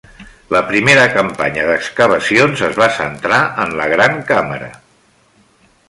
La primera campanya d'excavacions es va centrar en la gran càmera.